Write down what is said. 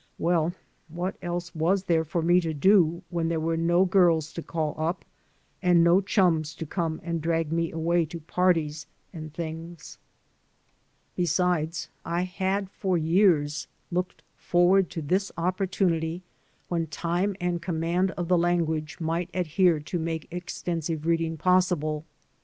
Well, what else was there for me to do when there were no girls to call up and no chums to come and drag me away to parties and things? 2S6 THE FRUITS OP SOLITUDE Besides, I had for years looked forward to this oppor tunity when time and command of the language might adhere to make extensive reading possible.